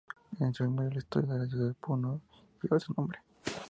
En su memoria, el estadio de la ciudad de Puno lleva su nombre.